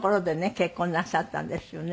結婚なさったんですよね。